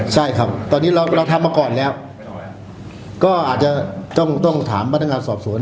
ใช่ครับตอนนี้เราเราทำมาก่อนแล้วก็อาจจะต้องต้องถามพนักงานสอบสวน